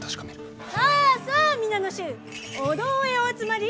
さあさあ皆の衆お堂へお集まり！